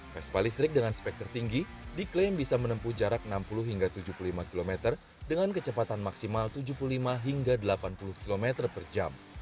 vespa listrik dengan spek tertinggi diklaim bisa menempuh jarak enam puluh hingga tujuh puluh lima km dengan kecepatan maksimal tujuh puluh lima hingga delapan puluh km per jam